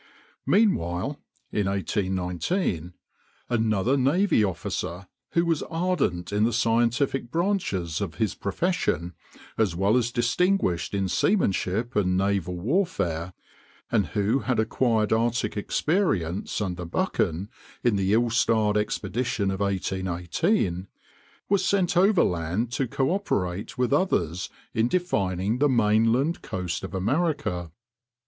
Meanwhile (1819) another navy officer, who was ardent in the scientific branches of his profession, as well as distinguished in seamanship and naval warfare, and who had acquired Arctic experience under Buchan in the ill starred expedition of 1818, was sent overland to coöperate with others in defining the mainland coast of America.